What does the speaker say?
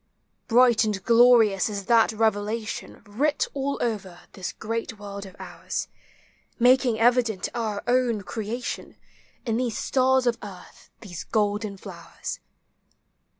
Bright and glorious is thai revelation, Writ all over this great world of ours. Making evident our own creation, In these stars of earth, these golden flowers.